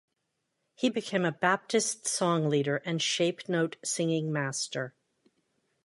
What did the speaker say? He became a Baptist song leader and shape note singing master.